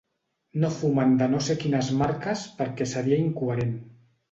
No fumen de no sé quines marques perquè seria incoherent.